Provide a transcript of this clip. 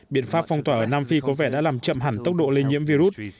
biện pháp phong tỏa ở nam phi có vẻ đã làm chậm hẳn tốc độ lây nhiễm virus